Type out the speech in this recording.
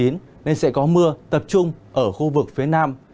nên sẽ có mưa tập trung ở khu vực phía nam